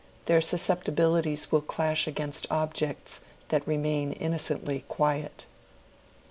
Their susceptibilities will clash against objects that remain innocently quiet.